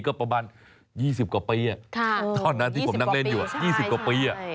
ก็ประมาณ๒๐กว่าปีตอนนั้นที่ผมนั่งเล่นอยู่๒๐กว่าปี